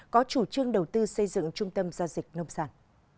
có chủ trương đầu tư xây dựng trung tâm giao dịch nông sản